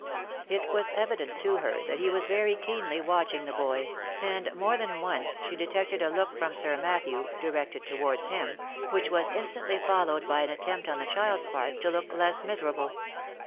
It was evident to her that he was very keenly watching the boy, and more than once she detected a look from Sir Matthew, directed towards him, which was instantly fol lowed by an attempt on the child's part to look less miserable.